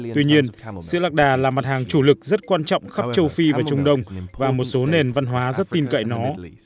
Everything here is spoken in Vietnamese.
tuy nhiên sữa lạc đà là mặt hàng chủ lực rất quan trọng khắp châu phi và trung đông và một số nền văn hóa rất tin cậy nó